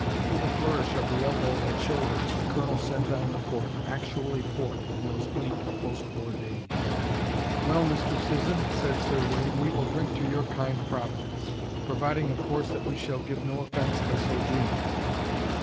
With a flourish of the elbow and shoulder, the Colonel sent on the port, actually port, in those bleak, post war days! "Well, Mr. Sisson," said Sir William, "we will drink to your kind Providence: providing, of course, that we shall give no offence by so doing."